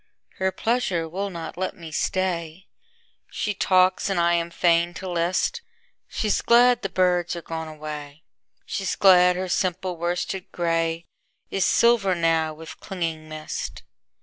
Her pleasure will not let me stay. She talks and I am fain to list:She's glad the birds are gone away, She's glad her simple worsted grayIs silver now with clinging mist.